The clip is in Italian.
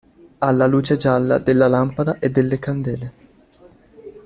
Alla luce gialla della lampada e delle candele.